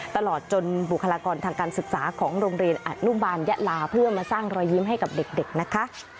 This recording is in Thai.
ตลอดจนบุคลากรทางการศึกษาของโรงเรียนอนุบาลยะลาเพื่อมาสร้างรอยยิ้มให้กับเด็กนะคะ